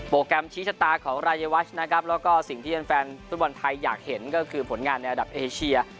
แกรมชี้ชะตาของรายวัชนะครับแล้วก็สิ่งที่แฟนฟุตบอลไทยอยากเห็นก็คือผลงานในระดับเอเชีย